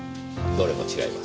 どれも違います。